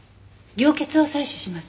凝血を採取します。